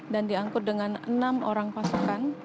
dan diangkut dengan enam orang pasukan